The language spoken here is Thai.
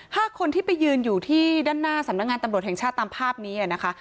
ห้าคนที่ไปยืนอยู่ที่ด้านหน้าสำนักงานตำรวจแห่งชาติตามภาพนี้อ่ะนะคะ